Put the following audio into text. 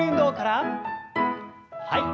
はい。